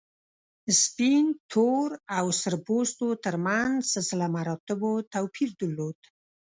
سپین، تور او سره پوستو تر منځ سلسله مراتبو توپیر درلود.